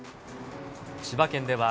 千葉県では、